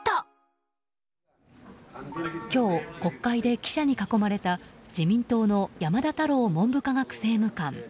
今日、国会で記者に囲まれた自民党の山田太郎文部科学政務官。